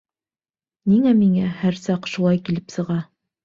Ниңә миңә һәр саҡ шулай килеп сыға?